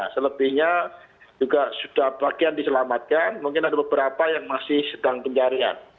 selebihnya juga sudah bagian diselamatkan mungkin ada beberapa yang masih sedang pencarian